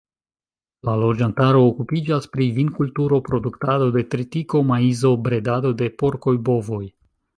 La loĝantaro okupiĝas pri vinkulturo, produktado de tritiko, maizo, bredado de porkoj, bovoj.